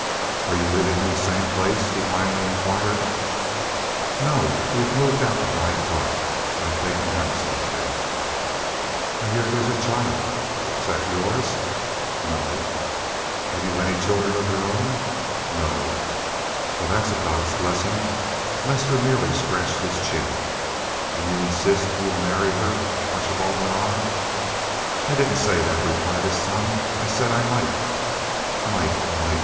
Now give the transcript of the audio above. "Are you living in the same place?" he finally inquired. "No, we've moved out to Hyde Park. I've taken a house out there." "I hear there's a child. Is that yours?" "No." "Have you any children of your own?" "No." "Well, that's a God's blessing." Lester merely scratched his chin. "And you insist you will marry her?" Archibald went on. "I didn't say that," replied his son. "I said I might." "Might! Might!"